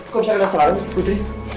kok bisa kena saran putri